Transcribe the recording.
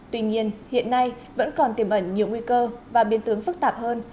tuy nhiên hiện nay vẫn còn tiềm ẩn nhiều nguy cơ và biên tướng phức tạp hơn